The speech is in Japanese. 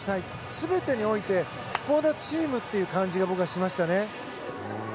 全てにおいてチームという感じが僕はしましたね。